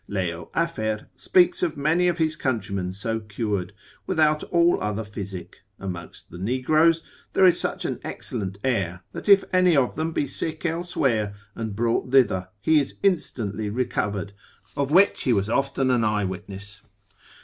Leo Afer speaks of many of his countrymen so cured, without all other physic: amongst the Negroes, there is such an excellent air, that if any of them be sick elsewhere, and brought thither, he is instantly recovered, of which he was often an eyewitness.